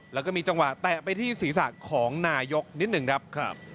แล้วก็มีจังหวะแตะไปที่ศีรษะของนายกนิดหนึ่งครับ